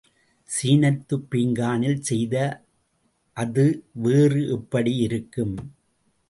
சீனத்துப் பீங்கானில் செய்த அது, வேறு எப்படியிருக்கும்?